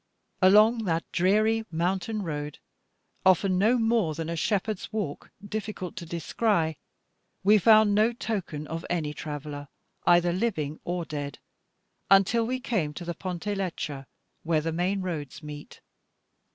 Along that dreary mountain road, often no more than a shepherd's walk difficult to descry, we found no token of any traveller either living or dead, until we came to the Ponte Leccia, where the main roads meet.